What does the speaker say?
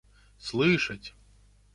слышать